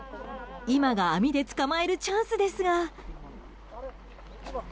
今が網で捕まえるチャンスですが。